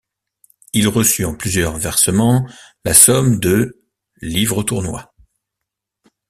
Il reçut en plusieurs versements la somme de livres tournois.